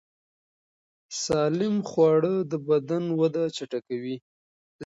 سالم خواړه د بدن وده چټکوي.